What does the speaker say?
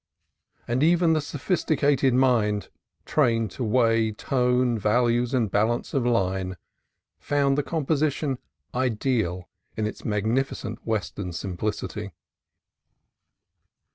And even the sophisticated mind, trained to weigh tone values and balance of line, found the composition ideal in its magnificent Western simplicity.